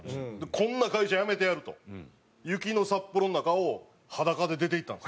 こんな会社辞めてやると雪の札幌の中を裸で出て行ったんですよ。